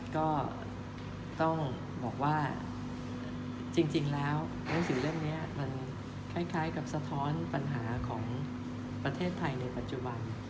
ก็ต้องบอกว่าจริงแล้วหนังสือเล่มนี้มันคล้ายกับสะท้อนปัญหาของประเทศไทยในปัจจุบัน